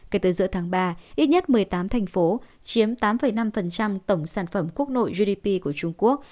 kể từ giữa tháng ba ít nhất một mươi tám thành phố chiếm tám năm tổng sản phẩm quốc nội gdp của trung quốc